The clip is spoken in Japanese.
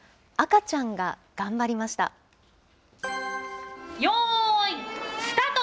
赤ちゃんが頑張りました。